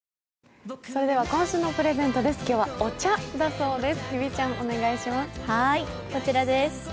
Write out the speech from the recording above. それでは今週のプレゼントです、今日はお茶だそうです。